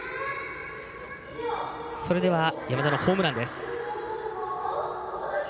それでは山田のホームランです。